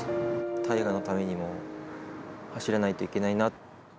大翔のためにも走らないといけないな。